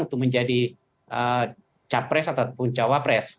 untuk menjadi capres ataupun cawapres